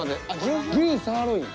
牛サーロイン。